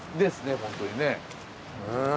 ホントにね。